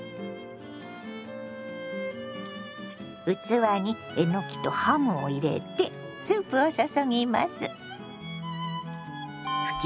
器にえのきとハムを入れてスープを注ぎます。